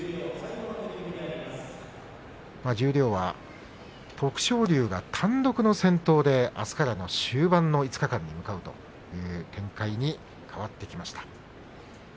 十両は徳勝龍が単独の先頭であすからの終盤の５日間に向かうという展開に変わってきました。